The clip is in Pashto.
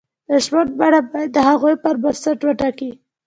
د ژوند بڼه باید د هغو پر بنسټ وټاکي.